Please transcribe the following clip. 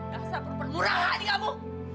nasa perpengurahan kamu